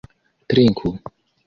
trinku